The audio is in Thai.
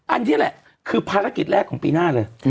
อันนี้แหละคือภารกิจแรกของปีหน้าเลย